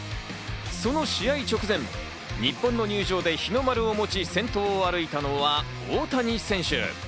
その試合直前、日本の入場で、日の丸を持ち、先頭を歩いたのは大谷選手。